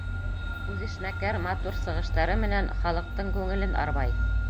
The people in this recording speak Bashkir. Үҙешмәкәрҙәр матур сығыштары менән халыҡтың күңелен арбай.